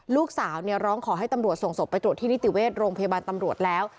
ลูกสาวร้องขอให้ตำรวจส่งศพไปตรวจที่นิติเวชโรงพยาบาลตำรวจแล้ว